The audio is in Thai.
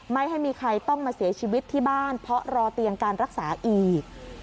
ไม่ให้มีใครต้องมาเสียชีวิตที่บ้านเพราะรอเตียงการรักษาอีก